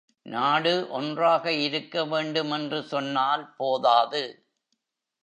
நாடு ஒன்றாக இருக்கவேண்டும் என்று சொன்னால் போதாது.